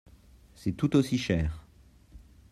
C'est tout aussi cher.